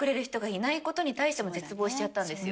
でしちゃったんですよ。